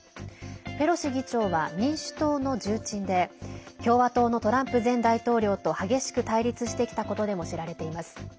ペロシ議長は、民主党の重鎮で共和党のトランプ前大統領と激しく対立してきたことでも知られています。